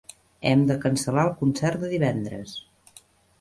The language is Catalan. Hem de cancel·lar el concert de divendres.